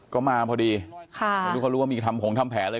ก็มาพอดีเพราะทุกคนรู้ว่ามีทำผงทำแผลเลย